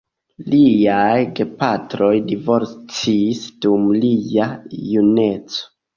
Liaj gepatroj divorcis dum lia juneco.